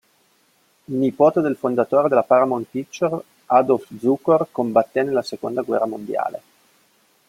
Nipote del fondatore della Paramount Pictures Adolph Zukor, combatté nella seconda guerra mondiale.